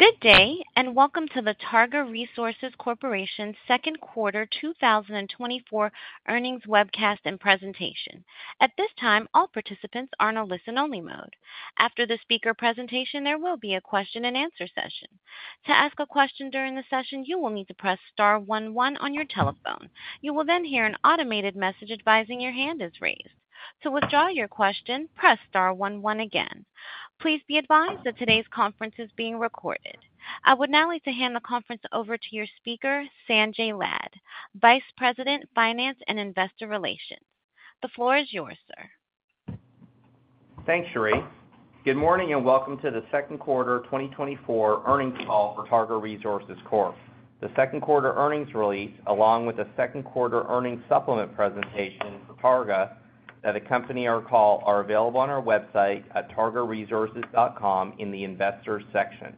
Good day, and welcome to the Targa Resources Corporation's second quarter 2024 earnings webcast and presentation. At this time, all participants are in a listen-only mode. After the speaker presentation, there will be a question-and-answer session. To ask a question during the session, you will need to press star one one on your telephone. You will then hear an automated message advising your hand is raised. To withdraw your question, press star one one again. Please be advised that today's conference is being recorded. I would now like to hand the conference over to your speaker, Sanjay Lad, Vice President, Finance and Investor Relations. The floor is yours, sir. Thanks, Cherie. Good morning, and welcome to the second quarter 2024 earnings call for Targa Resources Corp. The second quarter earnings release, along with the second quarter earnings supplement presentation for Targa that accompany our call, are available on our website at targaresources.com in the Investors section.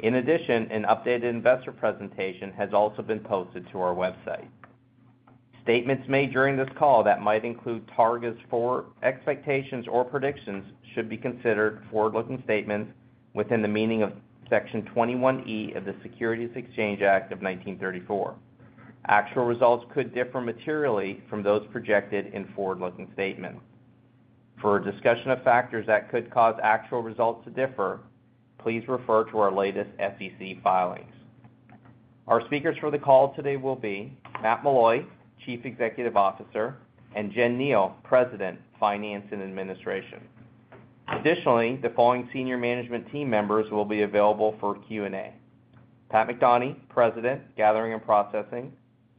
In addition, an updated investor presentation has also been posted to our website. Statements made during this call that might include Targa's forward expectations or predictions should be considered forward-looking statements within the meaning of Section 21E of the Securities Exchange Act of 1934. Actual results could differ materially from those projected in forward-looking statements. For a discussion of factors that could cause actual results to differ, please refer to our latest SEC filings. Our speakers for the call today will be Matt Meloy, Chief Executive Officer, and Jen Neal, President, Finance and Administration. Additionally, the following senior management team members will be available for Q&A: Pat McDonnie, President, Gathering and Processing;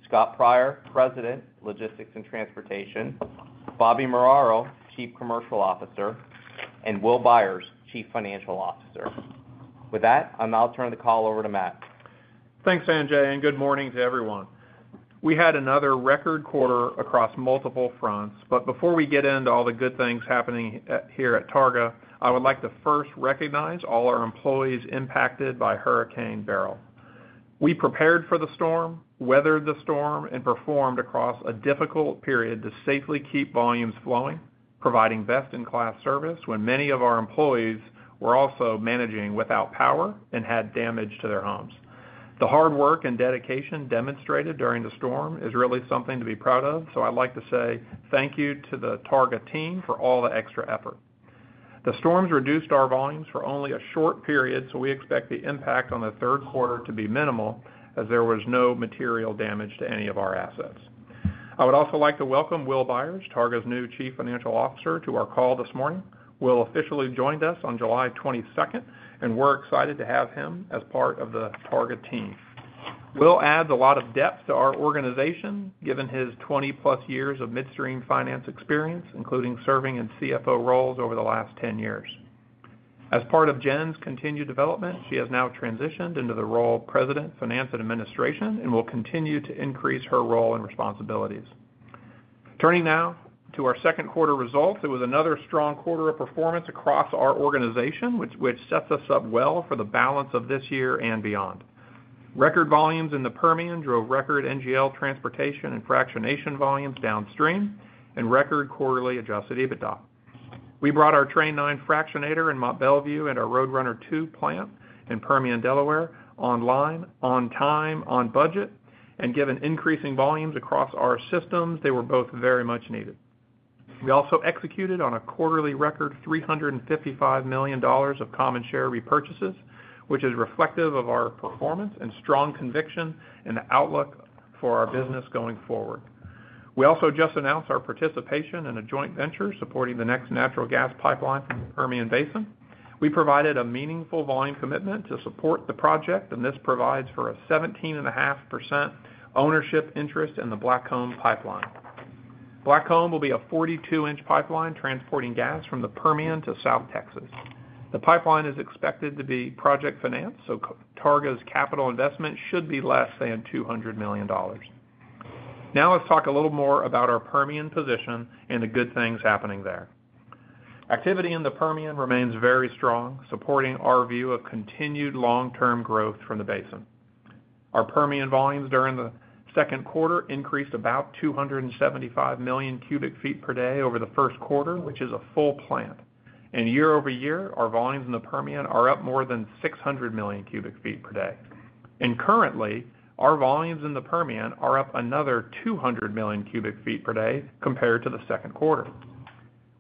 Scott Pryor, President, Logistics and Transportation; Bobby Moraro, Chief Commercial Officer; and Will Byers, Chief Financial Officer. With that, I'll now turn the call over to Matt. Thanks, Sanjay, and good morning to everyone. We had another record quarter across multiple fronts, but before we get into all the good things happening here at Targa, I would like to first recognize all our employees impacted by Hurricane Beryl. We prepared for the storm, weathered the storm, and performed across a difficult period to safely keep volumes flowing, providing best-in-class service when many of our employees were also managing without power and had damage to their homes. The hard work and dedication demonstrated during the storm is really something to be proud of, so I'd like to say thank you to the Targa team for all the extra effort. The storms reduced our volumes for only a short period, so we expect the impact on the third quarter to be minimal as there was no material damage to any of our assets. I would also like to welcome Will Byers, Targa's new Chief Financial Officer, to our call this morning. Will officially joined us on July 22nd, and we're excited to have him as part of the Targa team. Will adds a lot of depth to our organization, given his 20+ years of midstream finance experience, including serving in CFO roles over the last 10 years. As part of Jen's continued development, she has now transitioned into the role of President, Finance and Administration, and will continue to increase her role and responsibilities. Turning now to our second quarter results. It was another strong quarter of performance across our organization, which sets us up well for the balance of this year and beyond. Record volumes in the Permian drove record NGL transportation and fractionation volumes downstream and record quarterly Adjusted EBITDA. We brought our Train 9 fractionator in Mont Belvieu and our Roadrunner 2 plant in Permian, Delaware, online, on time, on budget, and given increasing volumes across our systems, they were both very much needed. We also executed on a quarterly record $355 million of common share repurchases, which is reflective of our performance and strong conviction in the outlook for our business going forward. We also just announced our participation in a joint venture supporting the next natural gas pipeline from the Permian Basin. We provided a meaningful volume commitment to support the project, and this provides for a 17.5% ownership interest in the Blackcomb Pipeline. Blackcomb will be a 42-inch pipeline transporting gas from the Permian to South Texas. The pipeline is expected to be project financed, so Targa's capital investment should be less than $200 million. Now, let's talk a little more about our Permian position and the good things happening there. Activity in the Permian remains very strong, supporting our view of continued long-term growth from the basin. Our Permian volumes during the second quarter increased about 275 million cubic feet per day over the first quarter, which is a full plant. And year-over-year, our volumes in the Permian are up more than 600 million cubic feet per day. And currently, our volumes in the Permian are up another 200 million cubic feet per day compared to the second quarter.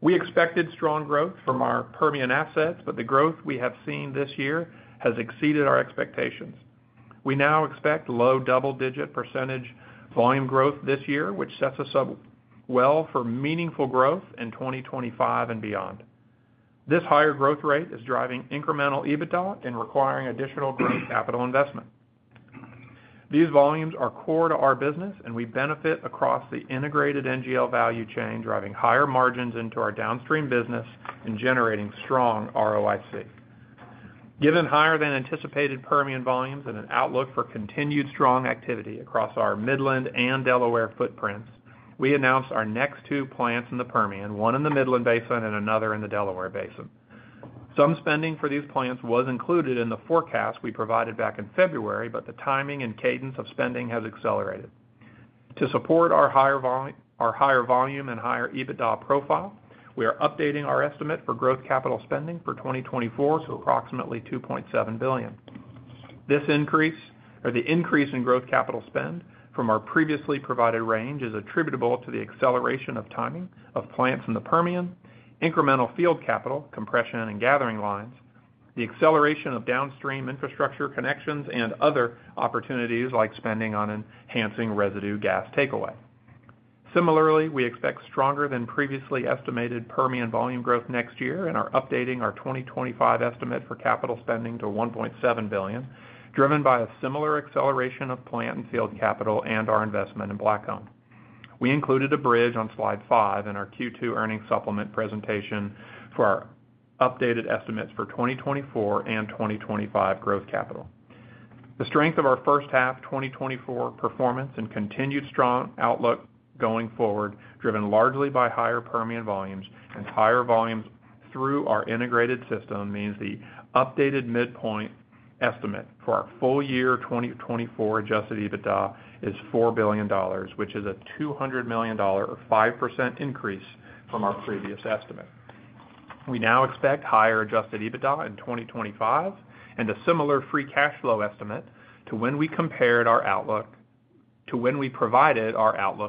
We expected strong growth from our Permian assets, but the growth we have seen this year has exceeded our expectations. We now expect low double-digit % volume growth this year, which sets us up well for meaningful growth in 2025 and beyond. This higher growth rate is driving incremental EBITDA and requiring additional growth capital investment. These volumes are core to our business, and we benefit across the integrated NGL value chain, driving higher margins into our downstream business and generating strong ROIC. Given higher than anticipated Permian volumes and an outlook for continued strong activity across our Midland and Delaware footprints, we announced our next two plants in the Permian, one in the Midland Basin and another in the Delaware Basin. Some spending for these plants was included in the forecast we provided back in February, but the timing and cadence of spending has accelerated. To support our higher volume and higher EBITDA profile, we are updating our estimate for growth capital spending for 2024 to approximately $2.7 billion. This increase, or the increase in growth capital spend from our previously provided range, is attributable to the acceleration of timing of plants in the Permian, incremental field capital, compression and gathering lines, the acceleration of downstream infrastructure connections, and other opportunities like spending on enhancing residue gas takeaway. Similarly, we expect stronger than previously estimated Permian volume growth next year and are updating our 2025 estimate for capital spending to $1.7 billion, driven by a similar acceleration of plant and field capital and our investment in Blackfin. We included a bridge on Slide 5 in our Q2 earnings supplement presentation for our updated estimates for 2024 and 2025 growth capital. The strength of our first half 2024 performance and continued strong outlook going forward, driven largely by higher Permian volumes and higher volumes through our integrated system, means the updated midpoint estimate for our full year 2024 adjusted EBITDA is $4 billion, which is a $200 million or 5% increase from our previous estimate. We now expect higher adjusted EBITDA in 2025 and a similar free cash flow estimate to when we provided our outlook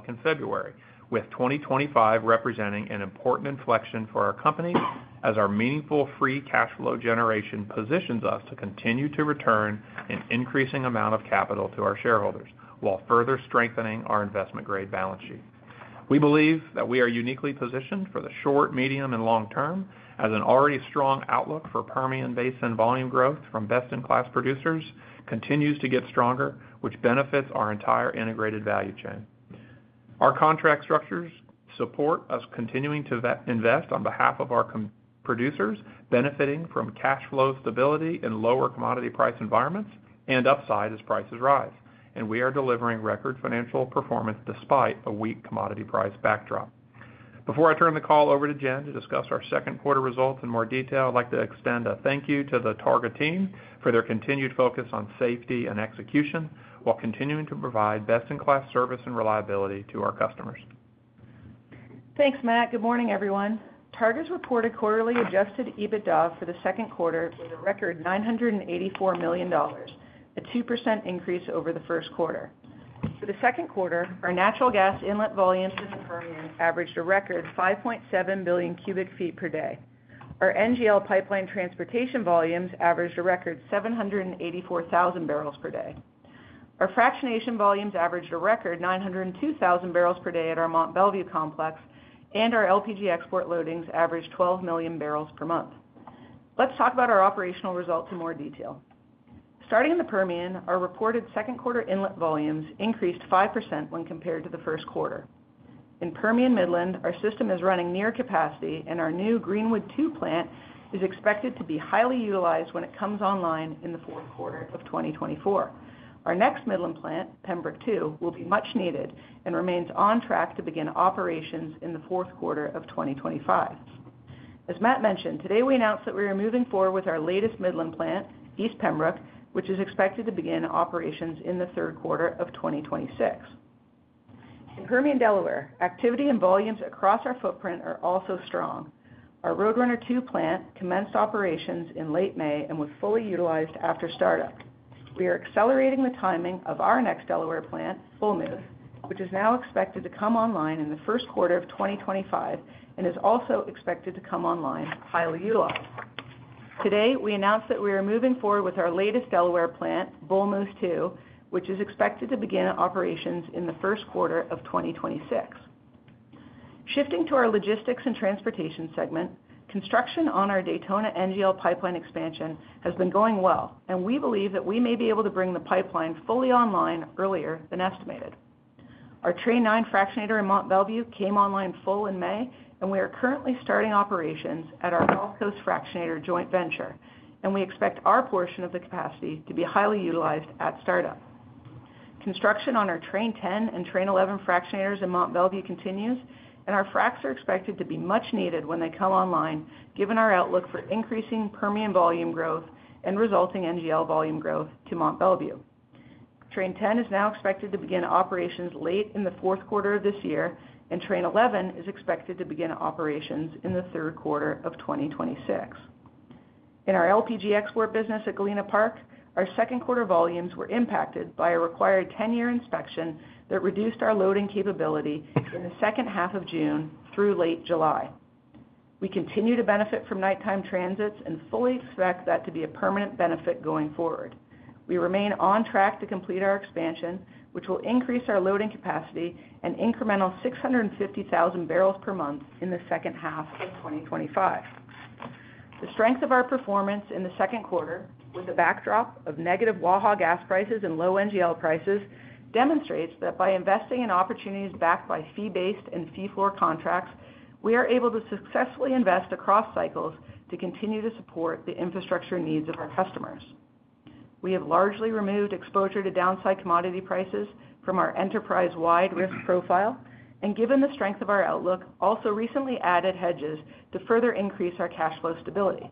in February, with 2025 representing an important inflection for our company as our meaningful free cash flow generation positions us to continue to return an increasing amount of capital to our shareholders, while further strengthening our investment-grade balance sheet. We believe that we are uniquely positioned for the short, medium, and long term as an already strong outlook for Permian Basin volume growth from best-in-class producers continues to get stronger, which benefits our entire integrated value chain. Our contract structures support us continuing to invest on behalf of our producers, benefiting from cash flow stability in lower commodity price environments and upside as prices rise, and we are delivering record financial performance despite a weak commodity price backdrop. Before I turn the call over to Jen to discuss our second quarter results in more detail, I'd like to extend a thank you to the Targa team for their continued focus on safety and execution, while continuing to provide best-in-class service and reliability to our customers. Thanks, Matt. Good morning, everyone. Targa's reported quarterly Adjusted EBITDA for the second quarter was a record $984 million, a 2% increase over the first quarter. For the second quarter, our natural gas inlet volumes in the Permian averaged a record 5.7 billion cubic feet per day. Our NGL pipeline transportation volumes averaged a record 784,000 barrels per day. Our fractionation volumes averaged a record 902,000 barrels per day at our Mont Belvieu complex, and our LPG export loadings averaged 12 million barrels per month. Let's talk about our operational results in more detail. Starting in the Permian, our reported second quarter inlet volumes increased 5% when compared to the first quarter. In Permian Midland, our system is running near capacity, and our new Greenwood 2 plant is expected to be highly utilized when it comes online in the fourth quarter of 2024. Our next Midland plant, Pembroke 2, will be much needed and remains on track to begin operations in the fourth quarter of 2025. As Matt mentioned, today we announced that we are moving forward with our latest Midland plant, East Pembroke, which is expected to begin operations in the third quarter of 2026. In Permian Delaware, activity and volumes across our footprint are also strong. Our Roadrunner 2 plant commenced operations in late May and was fully utilized after startup. We are accelerating the timing of our next Delaware plant, Bull Moose, which is now expected to come online in the first quarter of 2025, and is also expected to come online highly utilized. Today, we announced that we are moving forward with our latest Delaware plant, Bull Moose 2, which is expected to begin operations in the first quarter of 2026. Shifting to our logistics and transportation segment, construction on our Daytona NGL Pipeline expansion has been going well, and we believe that we may be able to bring the pipeline fully online earlier than estimated. Our Train 9 fractionator in Mont Belvieu came online full in May, and we are currently starting operations at our Gulf Coast Fractionator joint venture, and we expect our portion of the capacity to be highly utilized at startup. Construction on our Train 10 and Train 11 fractionators in Mont Belvieu continues, and our fracs are expected to be much needed when they come online, given our outlook for increasing Permian volume growth and resulting NGL volume growth to Mont Belvieu. Train 10 is now expected to begin operations late in the fourth quarter of this year, and Train 11 is expected to begin operations in the third quarter of 2026. In our LPG export business at Galena Park, our second quarter volumes were impacted by a required 10-year inspection that reduced our loading capability in the second half of June through late July. We continue to benefit from nighttime transits and fully expect that to be a permanent benefit going forward. We remain on track to complete our expansion, which will increase our loading capacity an incremental 650,000 barrels per month in the second half of 2025. The strength of our performance in the second quarter, with a backdrop of negative Waha gas prices and low NGL prices, demonstrates that by investing in opportunities backed by fee-based and fee-floor contracts, we are able to successfully invest across cycles to continue to support the infrastructure needs of our customers. We have largely removed exposure to downside commodity prices from our enterprise-wide risk profile, and given the strength of our outlook, also recently added hedges to further increase our cash flow stability....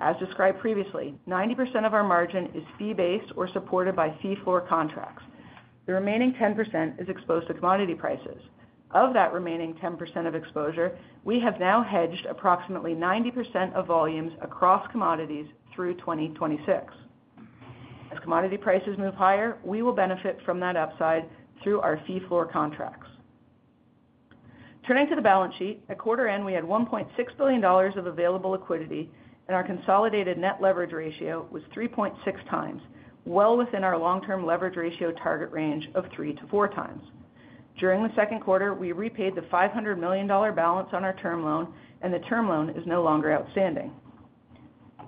As described previously, 90% of our margin is fee-based or supported by fee-floor contracts. The remaining 10% is exposed to commodity prices. Of that remaining 10% of exposure, we have now hedged approximately 90% of volumes across commodities through 2026. As commodity prices move higher, we will benefit from that upside through our fee-floor contracts. Turning to the balance sheet, at quarter end, we had $1.6 billion of available liquidity, and our consolidated net leverage ratio was 3.6 times, well within our long-term leverage ratio target range of 3-4 times. During the second quarter, we repaid the $500 million balance on our term loan, and the term loan is no longer outstanding.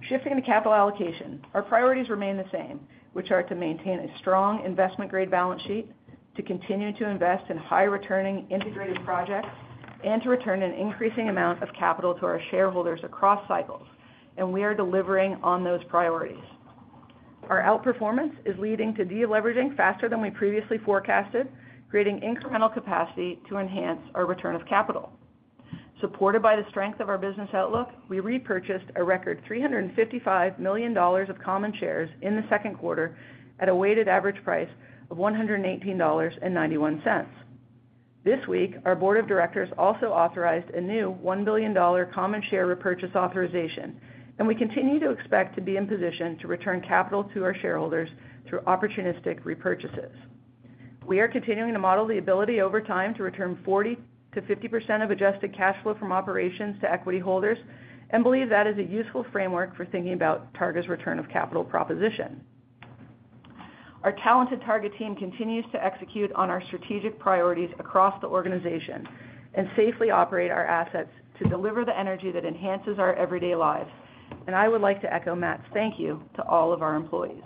Shifting to capital allocation, our priorities remain the same, which are to maintain a strong investment-grade balance sheet, to continue to invest in high-returning integrated projects, and to return an increasing amount of capital to our shareholders across cycles, and we are delivering on those priorities. Our outperformance is leading to deleveraging faster than we previously forecasted, creating incremental capacity to enhance our return of capital. Supported by the strength of our business outlook, we repurchased a record $355 million of common shares in the second quarter at a weighted average price of $118.91. This week, our board of directors also authorized a new $1 billion common share repurchase authorization, and we continue to expect to be in position to return capital to our shareholders through opportunistic repurchases. We are continuing to model the ability over time to return 40%-50% of adjusted cash flow from operations to equity holders and believe that is a useful framework for thinking about Targa's return of capital proposition. Our talented Targa team continues to execute on our strategic priorities across the organization and safely operate our assets to deliver the energy that enhances our everyday lives. I would like to echo Matt's thank you to all of our employees.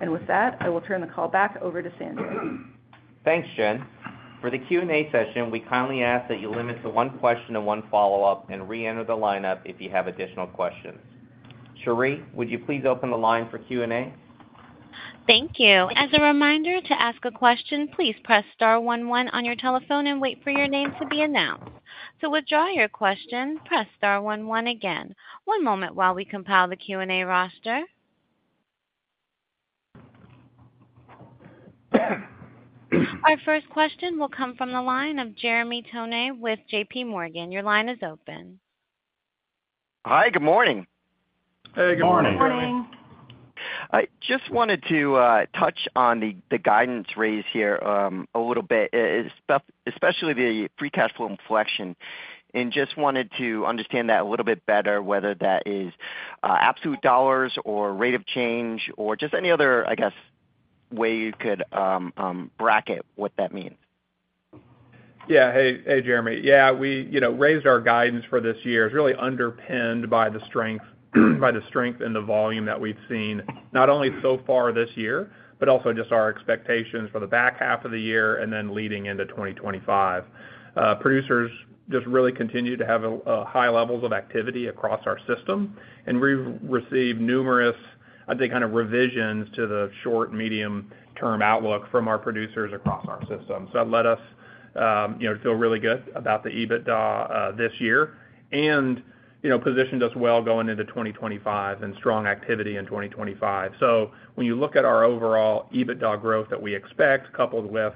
With that, I will turn the call back over to Sandy. Thanks, Jen. For the Q&A session, we kindly ask that you limit to one question and one follow-up and reenter the lineup if you have additional questions. Cherie, would you please open the line for Q&A? Thank you. As a reminder, to ask a question, please press star one one on your telephone and wait for your name to be announced. To withdraw your question, press star one one again. One moment while we compile the Q&A roster. Our first question will come from the line of Jeremy Tonet with J.P. Morgan. Your line is open. Hi, good morning. Hey, good morning. Good morning. I just wanted to touch on the guidance raise here, a little bit, especially the free cash flow inflection, and just wanted to understand that a little bit better, whether that is absolute dollars or rate of change or just any other, I guess, way you could bracket what that means. Yeah. Hey, Jeremy. Yeah, we, you know, raised our guidance for this year is really underpinned by the strength, by the strength and the volume that we've seen, not only so far this year, but also just our expectations for the back half of the year and then leading into 2025. Producers just really continue to have a high levels of activity across our system, and we've received numerous, I'd say, kind of revisions to the short, medium-term outlook from our producers across our system. So that led us, you know, to feel really good about the EBITDA this year and, you know, positioned us well going into 2025 and strong activity in 2025. When you look at our overall EBITDA growth that we expect, coupled with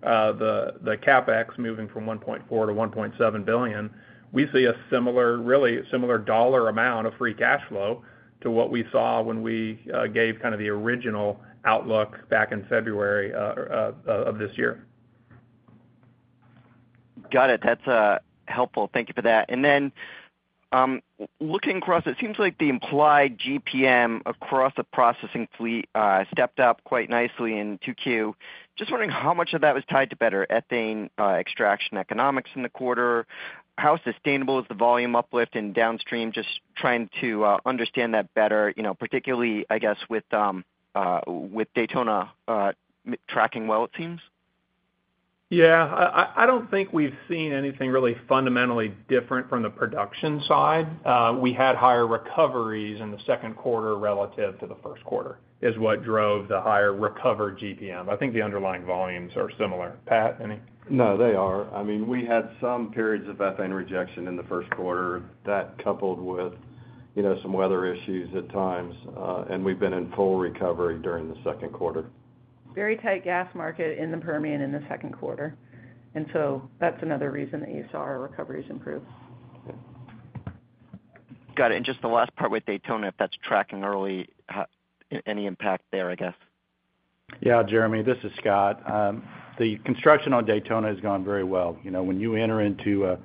the CapEx moving from $1.4 billion-$1.7 billion, we see a similar, really similar dollar amount of free cash flow to what we saw when we gave kind of the original outlook back in February of this year. Got it. That's helpful. Thank you for that. And then, looking across, it seems like the implied GPM across the processing fleet stepped up quite nicely in 2Q. Just wondering how much of that was tied to better ethane extraction economics in the quarter? How sustainable is the volume uplift in downstream? Just trying to understand that better, you know, particularly, I guess, with Daytona tracking well, it seems. Yeah, I don't think we've seen anything really fundamentally different from the production side. We had higher recoveries in the second quarter relative to the first quarter, is what drove the higher recovered GPM. I think the underlying volumes are similar. Pat, any? No, they are. I mean, we had some periods of ethane rejection in the first quarter that coupled with, you know, some weather issues at times, and we've been in full recovery during the second quarter. Very tight gas market in the Permian in the second quarter, and so that's another reason that you saw our recoveries improve. Got it. Just the last part with Daytona, if that's tracking early, how any impact there, I guess? Yeah, Jeremy, this is Scott. The construction on Daytona has gone very well. You know, when you enter into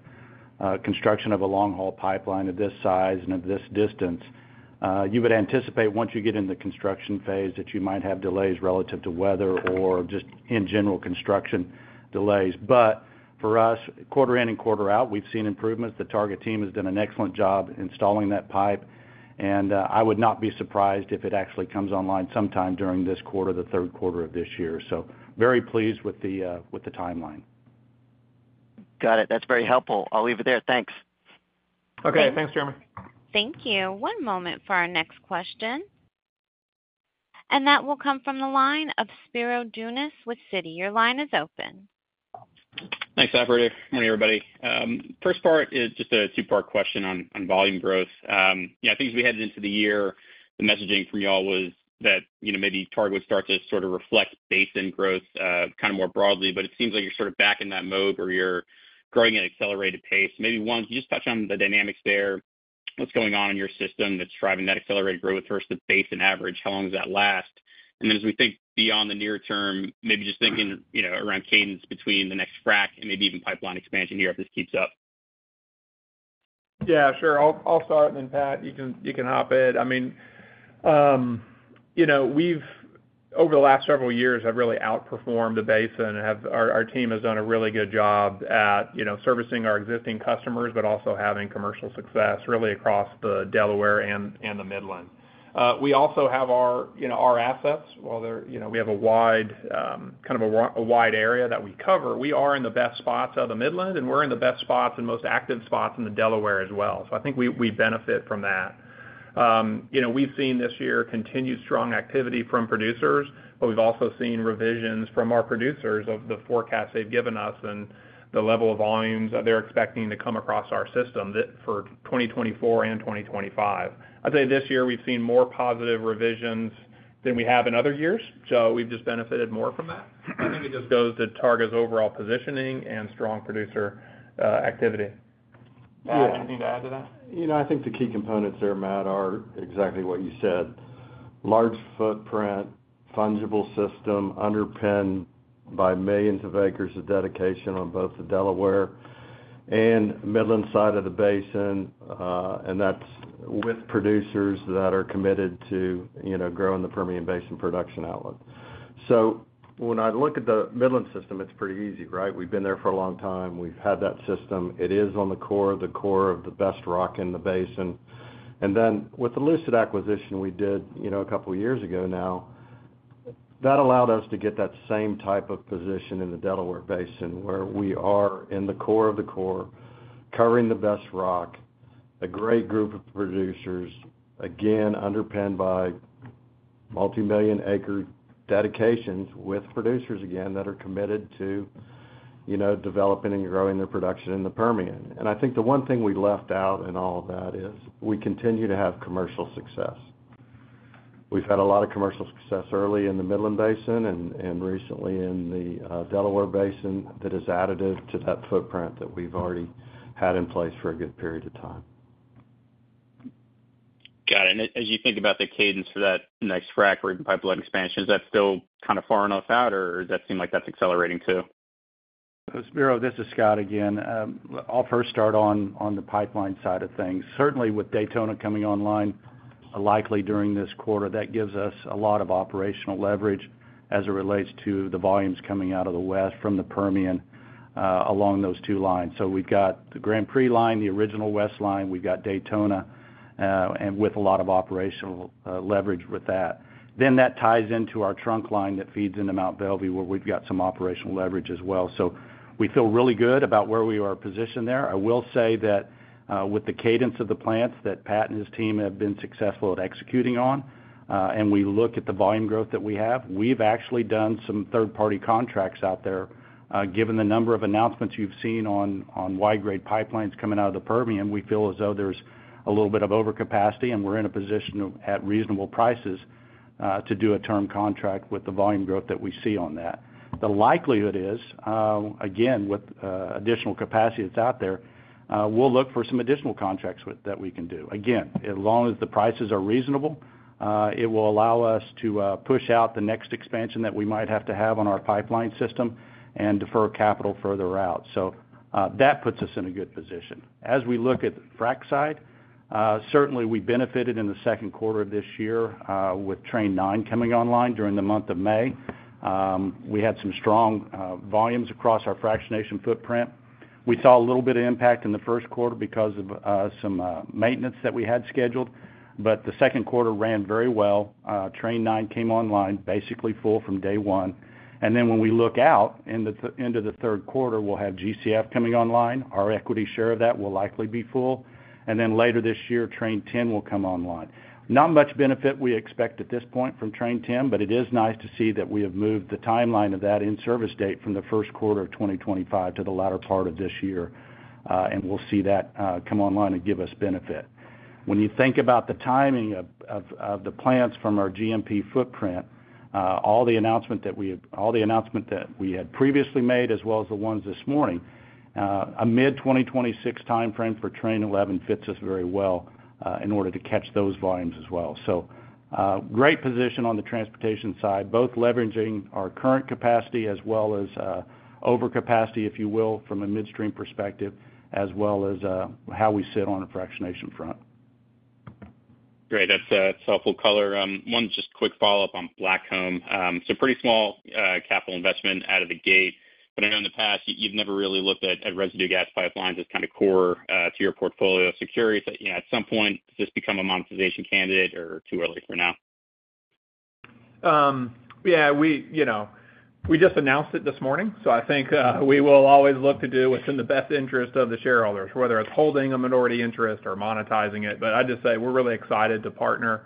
a construction of a long-haul pipeline of this size and of this distance, you would anticipate once you get in the construction phase, that you might have delays relative to weather or just in general construction delays. But for us, quarter in and quarter out, we've seen improvements. The Targa team has done an excellent job installing that pipe, and I would not be surprised if it actually comes online sometime during this quarter, the third quarter of this year. So very pleased with the timeline. Got it. That's very helpful. I'll leave it there. Thanks. Okay, thanks, Jeremy. Thank you. One moment for our next question... That will come from the line of Spiro Dounis with Citi. Your line is open. Thanks, operator. Morning, everybody. First part is just a two-part question on volume growth. Yeah, I think as we headed into the year, the messaging from y'all was that, you know, maybe Targa would start to sort of reflect basin growth kind of more broadly, but it seems like you're sort of back in that mode where you're growing at an accelerated pace. Maybe, one, can you just touch on the dynamics there? What's going on in your system that's driving that accelerated growth versus basin average? How long does that last? And then as we think beyond the near term, maybe just thinking, you know, around cadence between the next frack and maybe even pipeline expansion here, if this keeps up. Yeah, sure. I'll start, and then Pat, you can hop in. I mean, you know, we've over the last several years have really outperformed the basin, and our team has done a really good job at, you know, servicing our existing customers, but also having commercial success, really across the Delaware and the Midland. We also have our, you know, our assets, while they're, you know, we have a wide kind of a wide area that we cover. We are in the best spots of the Midland, and we're in the best spots and most active spots in the Delaware as well. So I think we benefit from that. You know, we've seen this year continued strong activity from producers, but we've also seen revisions from our producers of the forecasts they've given us and the level of volumes that they're expecting to come across our system that for 2024 and 2025. I'd say this year we've seen more positive revisions than we have in other years, so we've just benefited more from that. I think it just goes to Targa's overall positioning and strong producer activity. Pat, anything to add to that? You know, I think the key components there, Matt, are exactly what you said. Large footprint, fungible system, underpinned by millions of acres of dedication on both the Delaware and Midland side of the basin, and that's with producers that are committed to, you know, growing the Permian Basin production outlet. So when I look at the Midland system, it's pretty easy, right? We've been there for a long time. We've had that system. It is on the core, the core of the best rock in the basin. And then with the Lucid acquisition we did, you know, a couple of years ago now, that allowed us to get that same type of position in the Delaware Basin, where we are in the core of the core, covering the best rock, a great group of producers, again, underpinned by multimillion acre dedications with producers, again, that are committed to, you know, developing and growing their production in the Permian. And I think the one thing we left out in all of that is, we continue to have commercial success. We've had a lot of commercial success early in the Midland Basin and recently in the Delaware Basin, that is additive to that footprint that we've already had in place for a good period of time. Got it. As you think about the cadence for that next frack or pipeline expansion, is that still kind of far enough out, or does that seem like that's accelerating, too? Spiro, this is Scott again. I'll first start on, on the pipeline side of things. Certainly, with Daytona coming online, likely during this quarter, that gives us a lot of operational leverage as it relates to the volumes coming out of the west from the Permian, along those two lines. So we've got the Grand Prix line, the original west line, we've got Daytona, and with a lot of operational, leverage with that. Then that ties into our trunk line that feeds into Mont Belvieu, where we've got some operational leverage as well. So we feel really good about where we are positioned there. I will say that, with the cadence of the plants that Pat and his team have been successful at executing on, and we look at the volume growth that we have, we've actually done some third-party contracts out there. Given the number of announcements you've seen on Waha-grade pipelines coming out of the Permian, we feel as though there's a little bit of overcapacity, and we're in a position of, at reasonable prices, to do a term contract with the volume growth that we see on that. The likelihood is, again, with additional capacity that's out there, we'll look for some additional contracts that we can do. Again, as long as the prices are reasonable, it will allow us to push out the next expansion that we might have to have on our pipeline system and defer capital further out. So, that puts us in a good position. As we look at the frac side, certainly, we benefited in the second quarter of this year, with Train 9 coming online during the month of May. We had some strong volumes across our fractionation footprint. We saw a little bit of impact in the first quarter because of some maintenance that we had scheduled, but the second quarter ran very well. Train 9 came online, basically full from day one. And then when we look out into the third quarter, we'll have GCF coming online. Our equity share of that will likely be full. And then later this year, Train 10 will come online. Not much benefit we expect at this point from Train 10, but it is nice to see that we have moved the timeline of that in-service date from the first quarter of 2025 to the latter part of this year, and we'll see that come online and give us benefit. When you think about the timing of the plants from our G&P footprint, all the announcement that we had—all the announcement that we had previously made, as well as the ones this morning, a mid-2026 timeframe for Train 11 fits us very well, in order to catch those volumes as well. So, great position on the transportation side, both leveraging our current capacity as well as overcapacity, if you will, from a midstream perspective, as well as how we sit on the fractionation front. Great. That's, that's helpful color. One just quick follow-up on Blackfin. It's a pretty small capital investment out of the gate, but I know in the past, you've never really looked at residue gas pipelines as kind of core to your portfolio of securities. You know, at some point, does this become a monetization candidate or too early for now?... Yeah, we, you know, we just announced it this morning, so I think we will always look to do what's in the best interest of the shareholders, whether it's holding a minority interest or monetizing it. But I'd just say we're really excited to partner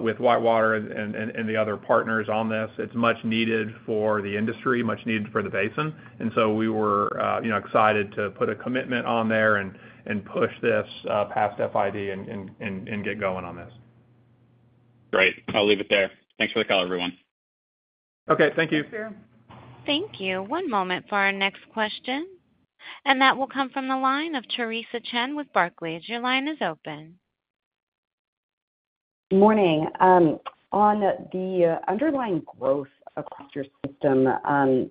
with WhiteWater and the other partners on this. It's much needed for the industry, much needed for the basin, and so we were, you know, excited to put a commitment on there and push this past FID and get going on this. Great. I'll leave it there. Thanks for the call, everyone. Okay, thank you. Thanks, Cherie. Thank you. One moment for our next question, and that will come from the line of Theresa Chen with Barclays. Your line is open. Morning. On the underlying growth across your system,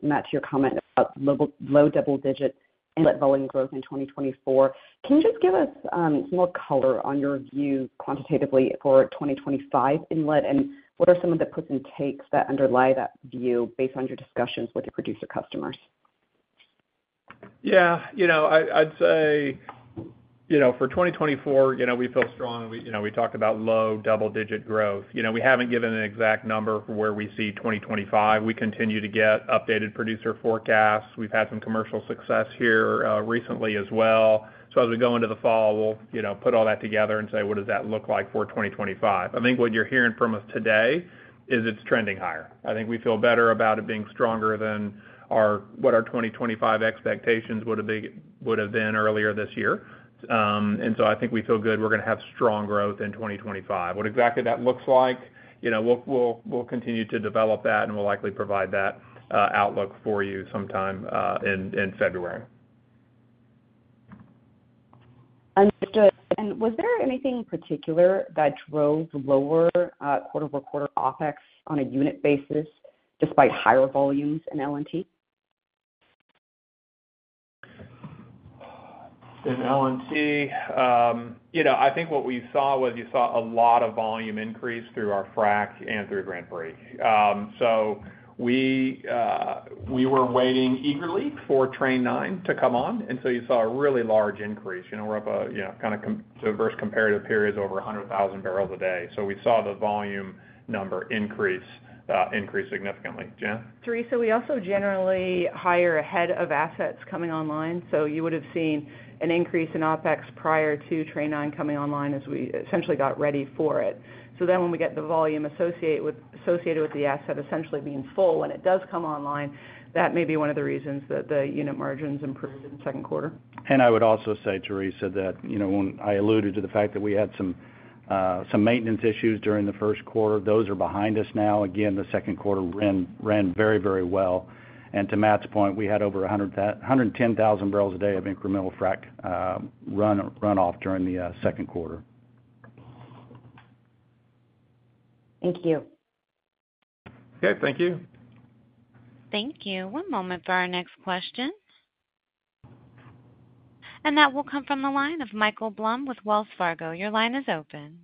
Matt, to your comment about low double digit inlet volume growth in 2024, can you just give us some more color on your view quantitatively for 2025 inlet, and what are some of the puts and takes that underlie that view based on your discussions with your producer customers? Yeah, you know, I'd, I'd say, you know, for 2024, you know, we feel strong, and we, you know, we talked about low double-digit growth. You know, we haven't given an exact number for where we see 2025. We continue to get updated producer forecasts. We've had some commercial success here recently as well. So as we go into the fall, we'll, you know, put all that together and say, "What does that look like for 2025?" I think what you're hearing from us today is it's trending higher. I think we feel better about it being stronger than our-- what our 2025 expectations would, would have been earlier this year. And so I think we feel good. We're going to have strong growth in 2025. What exactly that looks like, you know, we'll continue to develop that, and we'll likely provide that outlook for you sometime in February. Understood. Was there anything in particular that drove lower quarter-over-quarter OpEx on a unit basis, despite higher volumes in L&T? In L&T, you know, I think what we saw was you saw a lot of volume increase through our frack and through Grand Prix. So we were waiting eagerly for Train 9 to come on, and so you saw a really large increase. You know, we're up, you know, kind of so versus comparative periods over 100,000 barrels a day. So we saw the volume number increase, increase significantly. Jen? Theresa, we also generally hire ahead of assets coming online, so you would have seen an increase in OpEx prior to Train Nine coming online as we essentially got ready for it. So then when we get the volume associated with the asset, essentially being full, when it does come online, that may be one of the reasons that the unit margins improved in the second quarter. I would also say, Theresa, that, you know, when I alluded to the fact that we had some maintenance issues during the first quarter, those are behind us now. Again, the second quarter ran very, very well. And to Matt's point, we had over 110,000 barrels a day of incremental frac run off during the second quarter. Thank you. Okay, thank you. Thank you. One moment for our next question. That will come from the line of Michael Blum with Wells Fargo. Your line is open.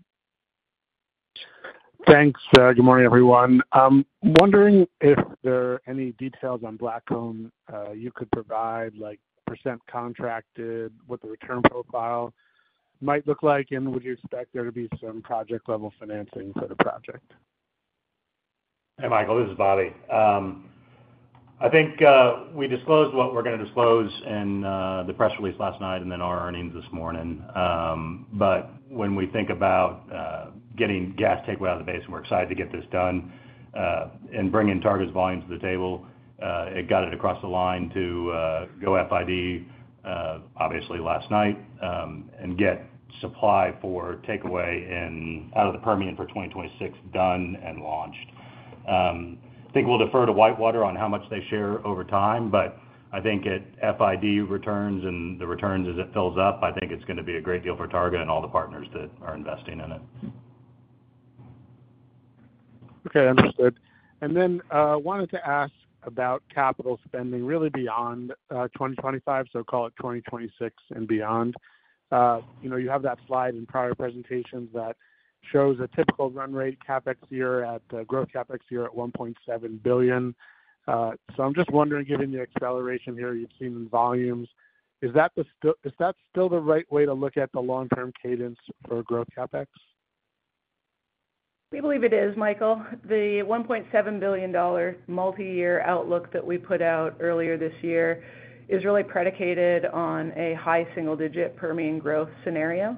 Thanks. Good morning, everyone. Wondering if there are any details on Blackfin you could provide, like percent contracted, what the return profile might look like, and would you expect there to be some project-level financing for the project? Hey, Michael, this is Bobby. I think we disclosed what we're going to disclose in the press release last night and then our earnings this morning. But when we think about getting gas takeaway out of the base, and we're excited to get this done, and bringing Targa's volume to the table, it got it across the line to go FID, obviously last night, and get supply for takeaway and out of the Permian for 2026, done and launched. I think we'll defer to Whitewater on how much they share over time, but I think at FID returns and the returns as it fills up, I think it's going to be a great deal for Targa and all the partners that are investing in it. Okay, understood. And then, wanted to ask about capital spending, really beyond 2025, so call it 2026 and beyond. You know, you have that slide in prior presentations that shows a typical run rate CapEx year at growth CapEx year at $1.7 billion. So I'm just wondering, given the acceleration here you've seen in volumes, is that the still-- is that still the right way to look at the long-term cadence for growth CapEx? We believe it is, Michael. The $1.7 billion multi-year outlook that we put out earlier this year is really predicated on a high single-digit Permian growth scenario.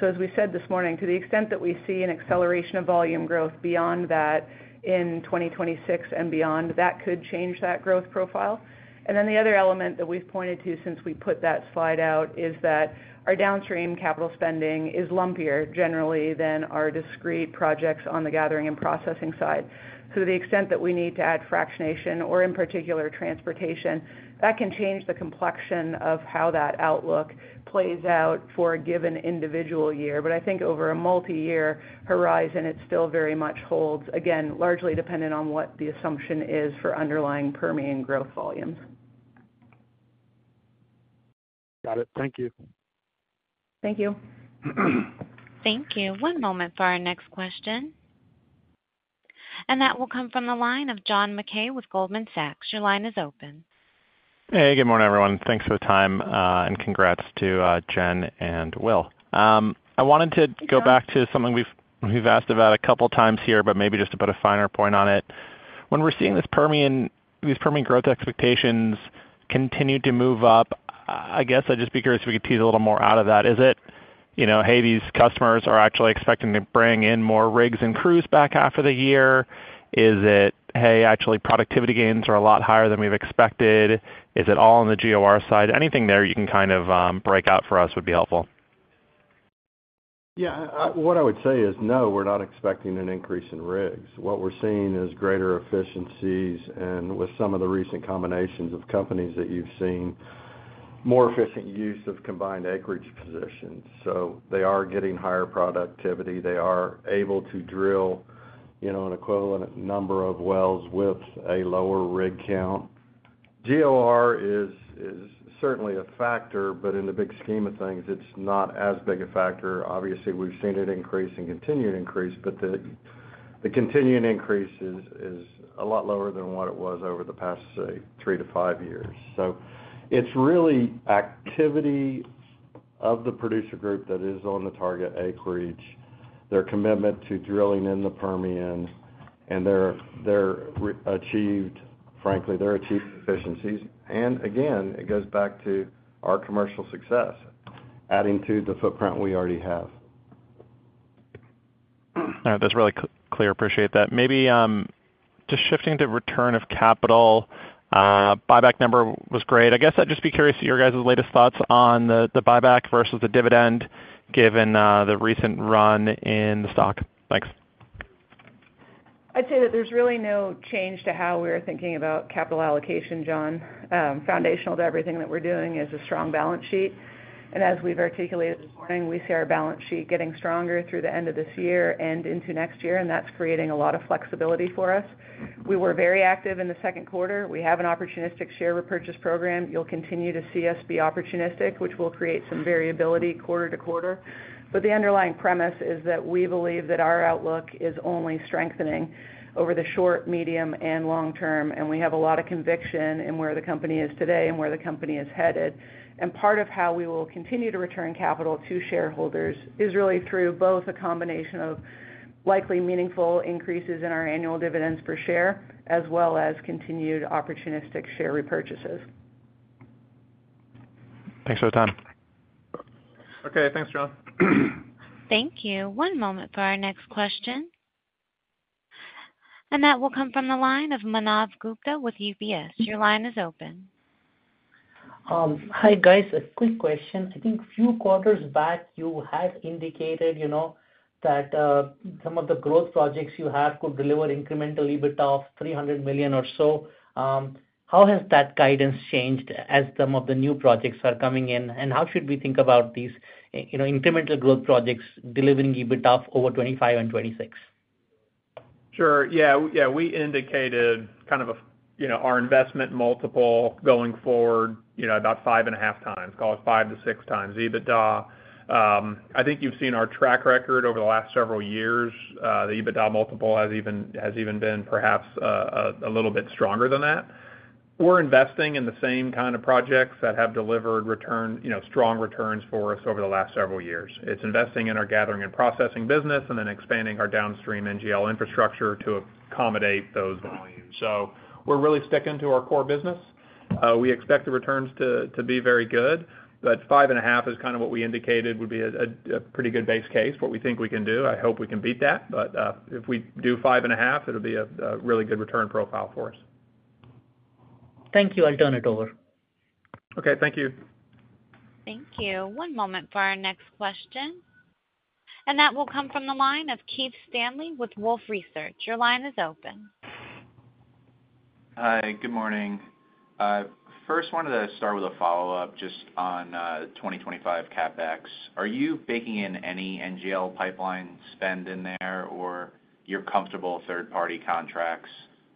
So as we said this morning, to the extent that we see an acceleration of volume growth beyond that in 2026 and beyond, that could change that growth profile. And then the other element that we've pointed to since we put that slide out is that our downstream capital spending is lumpier generally than our discrete projects on the gathering and processing side. So to the extent that we need to add fractionation or, in particular, transportation, that can change the complexion of how that outlook plays out for a given individual year. But I think over a multi-year horizon, it still very much holds, again, largely dependent on what the assumption is for underlying Permian growth volumes. Got it. Thank you. Thank you. Thank you. One moment for our next question, and that will come from the line of John Mackay with Goldman Sachs. Your line is open. Hey, good morning, everyone. Thanks for the time, and congrats to Jen and Will. I wanted to go back to something we've asked about a couple of times here, but maybe just to put a finer point on it. When we're seeing this Permian, these Permian growth expectations continue to move up, I guess I'd just be curious if we could tease a little more out of that. Is it, you know, hey, these customers are actually expecting to bring in more rigs and crews back half of the year? Is it, hey, actually, productivity gains are a lot higher than we've expected. Is it all on the GOR side? Anything there you can kind of break out for us would be helpful. Yeah, what I would say is, no, we're not expecting an increase in rigs. What we're seeing is greater efficiencies, and with some of the recent combinations of companies that you've seen, more efficient use of combined acreage positions. So they are getting higher productivity. They are able to drill, you know, an equivalent number of wells with a lower rig count. GOR is certainly a factor, but in the big scheme of things, it's not as big a factor. Obviously, we've seen it increase and continue to increase, but the continuing increase is a lot lower than what it was over the past, say, three to five years. So it's really activity of the producer group that is on the target acreage, their commitment to drilling in the Permian, and their achieved... frankly, their achieved efficiencies. Again, it goes back to our commercial success, adding to the footprint we already have. All right, that's really clear. Appreciate that. Maybe just shifting to return of capital, buyback number was great. I guess I'd just be curious to your guys' latest thoughts on the, the buyback versus the dividend, given the recent run in the stock. Thanks. I'd say that there's really no change to how we are thinking about capital allocation, John. Foundational to everything that we're doing is a strong balance sheet, and as we've articulated this morning, we see our balance sheet getting stronger through the end of this year and into next year, and that's creating a lot of flexibility for us. We were very active in the second quarter. We have an opportunistic share repurchase program. You'll continue to see us be opportunistic, which will create some variability quarter to quarter. But the underlying premise is that we believe that our outlook is only strengthening over the short, medium, and long term, and we have a lot of conviction in where the company is today and where the company is headed. Part of how we will continue to return capital to shareholders is really through both a combination of likely meaningful increases in our annual dividends per share, as well as continued opportunistic share repurchases. Thanks for the time. Okay. Thanks, John. Thank you. One moment for our next question. That will come from the line of Manav Gupta with UBS. Your line is open. Hi, guys. A quick question. I think a few quarters back, you had indicated, you know, that some of the growth projects you have could deliver incremental EBITDA of $300 million or so. How has that guidance changed as some of the new projects are coming in? And how should we think about these, you know, incremental growth projects delivering EBITDA over 2025 and 2026? Sure. Yeah, yeah, we indicated kind of a, you know, our investment multiple going forward, you know, about 5.5x, call it 5-6x EBITDA. I think you've seen our track record over the last several years. The EBITDA multiple has even been perhaps a little bit stronger than that. We're investing in the same kind of projects that have delivered return, you know, strong returns for us over the last several years. It's investing in our gathering and processing business and then expanding our downstream NGL infrastructure to accommodate those volumes. So we're really sticking to our core business. We expect the returns to be very good, but 5.5x is kind of what we indicated would be a pretty good base case, what we think we can do. I hope we can beat that, but if we do 5.5, it'll be a really good return profile for us. Thank you. I'll turn it over. Okay, thank you. Thank you. One moment for our next question, and that will come from the line of Keith Stanley with Wolfe Research. Your line is open. Hi, good morning. First wanted to start with a follow-up just on, 2025 CapEx. Are you baking in any NGL pipeline spend in there, or you're comfortable third-party contracts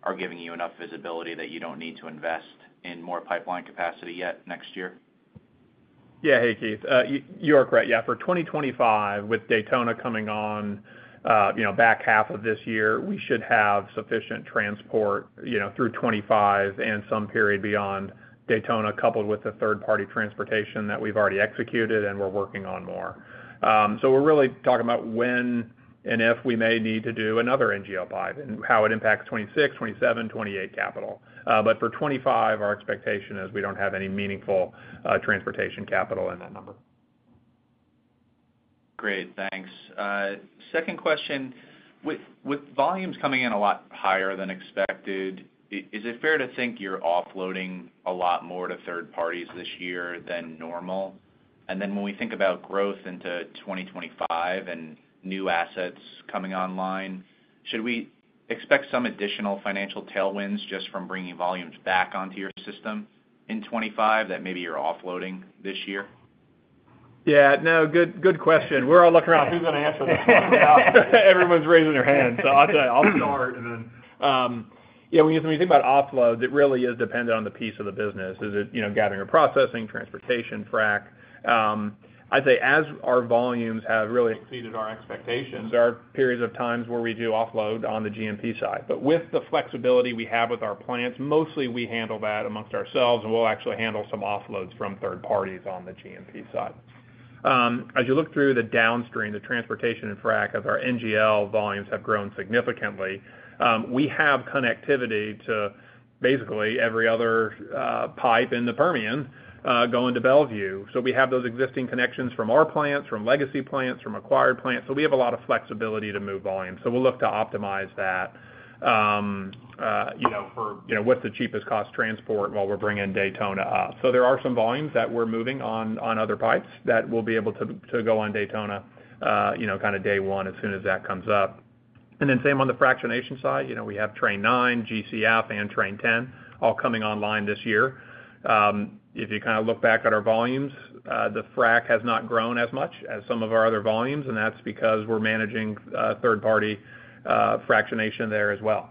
are giving you enough visibility that you don't need to invest in more pipeline capacity yet next year? Yeah. Hey, Keith, you, you are correct. Yeah, for 2025, with Daytona coming on, you know, back half of this year, we should have sufficient transport, you know, through 2025 and some period beyond Daytona, coupled with the third-party transportation that we've already executed, and we're working on more. So we're really talking about when and if we may need to do another NGL pipe and how it impacts 2026, 2027, 2028 capital. But for 2025, our expectation is we don't have any meaningful, transportation capital in that number. Great, thanks. Second question, with, with volumes coming in a lot higher than expected, is it fair to think you're offloading a lot more to third parties this year than normal? And then when we think about growth into 2025 and new assets coming online, should we expect some additional financial tailwinds just from bringing volumes back onto your system in 2025 that maybe you're offloading this year? Yeah, no, good, good question. We're all looking around, who's going to answer this one? Everyone's raising their hand, so I'll tell you, I'll start and then... yeah, when you, when you think about offload, it really is dependent on the piece of the business. Is it, you know, gathering or processing, transportation, frack? I'd say, as our volumes have really exceeded our expectations, there are periods of times where we do offload on the GMP side. But with the flexibility we have with our plants, mostly we handle that amongst ourselves, and we'll actually handle some offloads from third parties on the GMP side. As you look through the downstream, the transportation and frack of our NGL volumes have grown significantly. We have connectivity to basically every other, pipe in the Permian, going to Mont Belvieu. So we have those existing connections from our plants, from legacy plants, from acquired plants, so we have a lot of flexibility to move volumes. So we'll look to optimize that, you know, for, you know, what's the cheapest cost transport while we're bringing Daytona up. So there are some volumes that we're moving on other pipes that will be able to go on Daytona, you know, kind of day one, as soon as that comes up. And then same on the fractionation side. You know, we have Train 9, GCF, and Train 10, all coming online this year. If you kind of look back at our volumes, the frac has not grown as much as some of our other volumes, and that's because we're managing third-party fractionation there as well.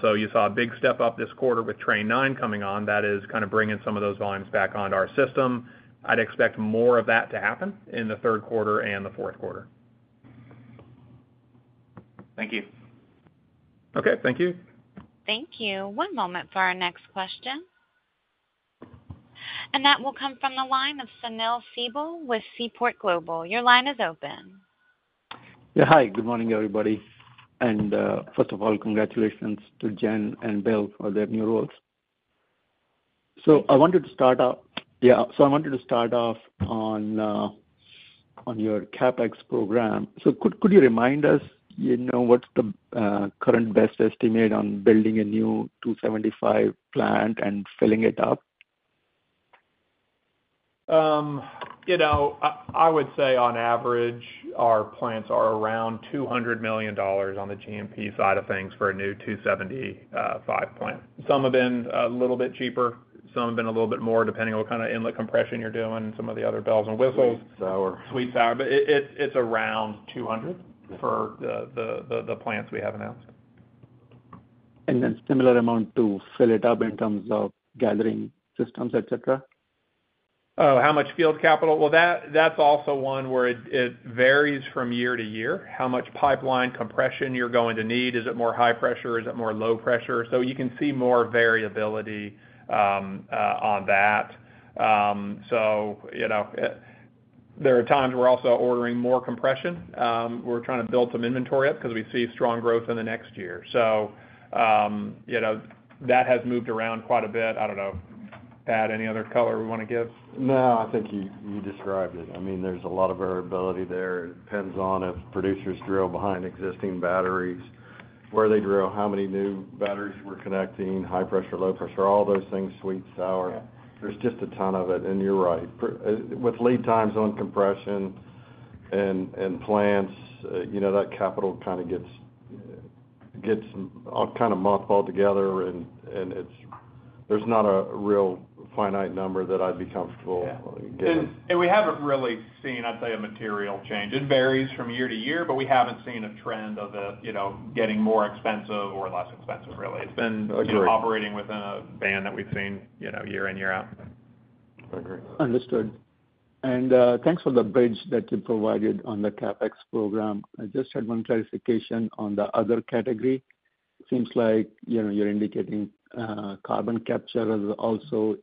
So, you saw a big step up this quarter with Train 9 coming on. That is kind of bringing some of those volumes back onto our system. I'd expect more of that to happen in the third quarter and the fourth quarter. Thank you. Okay, thank you. Thank you. One moment for our next question. That will come from the line of Sunil Sibal with Seaport Global. Your line is open. Yeah, hi, good morning, everybody. And first of all, congratulations to Jen and Will for their new roles. So I wanted to start off on your CapEx program. So could you remind us, you know, what's the current best estimate on building a new 275 plant and filling it up? You know, I would say on average, our plants are around $200 million on the GMP side of things for a new 275 plant. Some have been a little bit cheaper, some have been a little bit more, depending on what kind of inlet compression you're doing, some of the other bells and whistles. Sweet, sour. Sweet, sour, but it's around 200 for the plants we have announced. And then similar amount to fill it up in terms of gathering systems, et cetera? Oh, how much field capital? Well, that's also one where it varies from year to year, how much pipeline compression you're going to need. Is it more high pressure? Is it more low pressure? So you can see more variability on that. So, you know, there are times we're also ordering more compression. We're trying to build some inventory up because we see strong growth in the next year. So, you know, that has moved around quite a bit. I don't know, Pat, any other color we want to give? No, I think you, you described it. I mean, there's a lot of variability there. It depends on if producers drill behind existing batteries, where they drill, how many new batteries we're connecting, high pressure, low pressure, all those things, sweet, sour. Yeah. There's just a ton of it, and you're right. With lead times on compression and, and plants, you know, that capital kind of gets, gets all kind of mushed all together, and, and it's-- there's not a real finite number that I'd be comfortable- Yeah - giving. And we haven't really seen, I'd say, a material change. It varies from year to year, but we haven't seen a trend of the, you know, getting more expensive or less expensive, really. Agree. It's been operating within a band that we've seen, you know, year in, year out. I agree. Understood. And, thanks for the bridge that you provided on the CapEx program. I just had one clarification on the other category. Seems like, you know, you're indicating, carbon capture as also,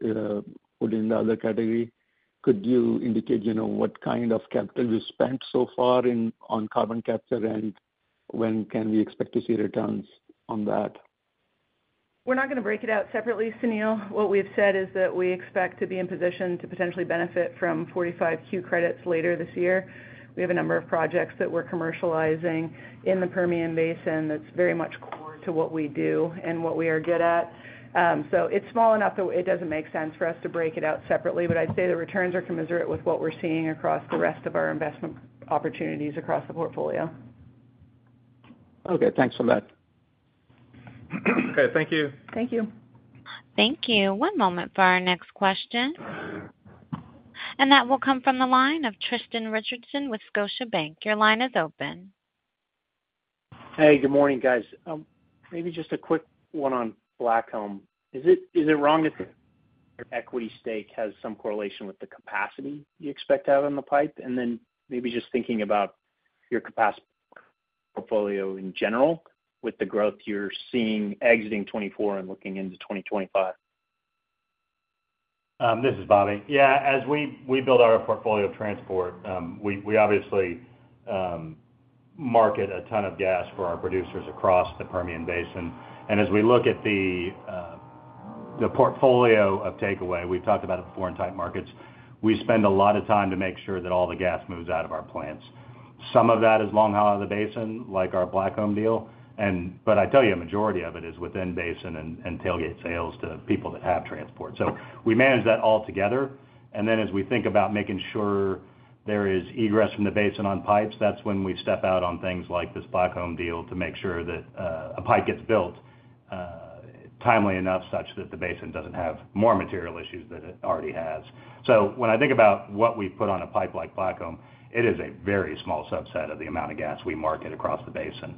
put in the other category. Could you indicate, you know, what kind of capital you spent so far on carbon capture, and when can we expect to see returns on that? We're not going to break it out separately, Sunil. What we've said is that we expect to be in position to potentially benefit from 45Q credits later this year. We have a number of projects that we're commercializing in the Permian Basin that's very much core to what we do and what we are good at. So it's small enough that it doesn't make sense for us to break it out separately, but I'd say the returns are commensurate with what we're seeing across the rest of our investment opportunities across the portfolio. Okay, thanks for that. Okay, thank you. Thank you. Thank you. One moment for our next question. That will come from the line of Tristan Richardson with Scotiabank. Your line is open. Hey, good morning, guys. Maybe just a quick one on Blackfin. Is it wrong if your equity stake has some correlation with the capacity you expect to have on the pipe? And then maybe just thinking about your capacity portfolio in general, with the growth you're seeing exiting 2024 and looking into 2025. This is Bobby. Yeah, as we build our portfolio of transport, we obviously market a ton of gas for our producers across the Permian Basin. And as we look at the portfolio of takeaway, we've talked about it before in tight markets, we spend a lot of time to make sure that all the gas moves out of our plants. Some of that is long haul out of the basin, like our Blackfin deal. And, but I tell you, a majority of it is within basin and tailgate sales to people that have transport. So we manage that all together. And then as we think about making sure there is egress from the basin on pipes, that's when we step out on things like this Blackfin deal to make sure that a pipe gets built timely enough, such that the basin doesn't have more material issues than it already has. So when I think about what we put on a pipe like Blackfin, it is a very small subset of the amount of gas we market across the basin.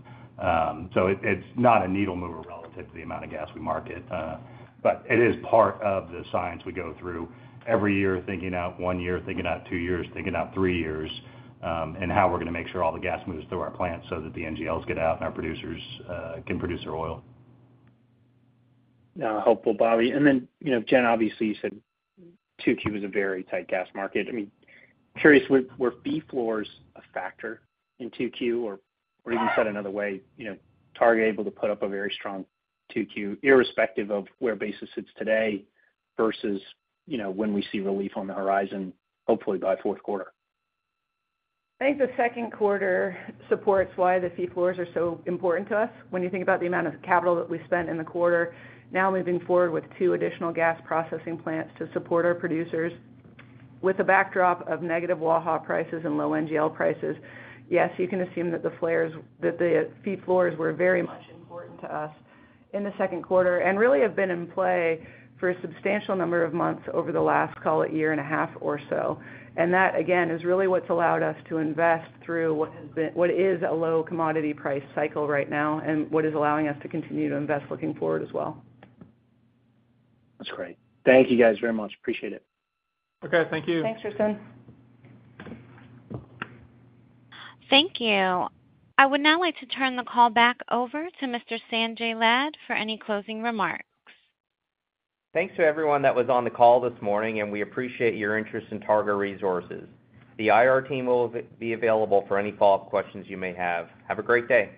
So it's not a needle mover relative to the amount of gas we market, but it is part of the science we go through every year, thinking out one year, thinking out two years, thinking out three years, and how we're going to make sure all the gas moves through our plants so that the NGLs get out and our producers can produce their oil. Helpful, Bobby. And then, you know, Jen, obviously, you said 2Q is a very tight gas market. I mean, curious, were fee floors a factor in 2Q, or even said another way, you know, Targa able to put up a very strong 2Q, irrespective of where basis sits today versus, you know, when we see relief on the horizon, hopefully by fourth quarter? I think the second quarter supports why the fee floors are so important to us. When you think about the amount of capital that we spent in the quarter, now moving forward with two additional gas processing plants to support our producers, with the backdrop of negative Waha prices and low NGL prices, yes, you can assume that the fee floors were very much important to us in the second quarter, and really have been in play for a substantial number of months over the last, call it, year and a half or so. And that, again, is really what's allowed us to invest through what is a low commodity price cycle right now, and what is allowing us to continue to invest looking forward as well. That's great. Thank you, guys, very much. Appreciate it. Okay, thank you. Thanks, Tristan. Thank you. I would now like to turn the call back over to Mr. Sanjay Lad for any closing remarks. Thanks to everyone that was on the call this morning, and we appreciate your interest in Targa Resources. The IR team will be available for any follow-up questions you may have. Have a great day!